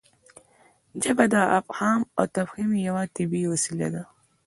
ژبه د افهام او تفهیم یوه طبیعي وسیله ده.